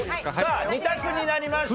さあ２択になりました。